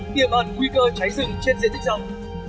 tiềm ẩn nguy cơ cháy rừng trên diện tích rộng